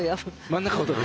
真ん中をとる。